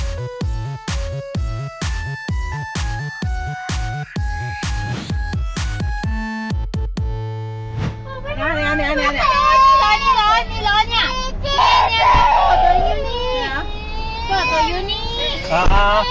ค่ะฟังตัวนี้ครับ